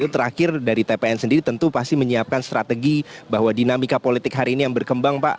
terakhir dari tpn sendiri tentu pasti menyiapkan strategi bahwa dinamika politik hari ini yang berkembang pak